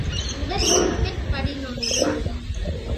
பூரட் pipette பதினொன்று .